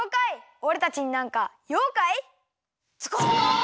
おれたちになんかようかい？ズコ！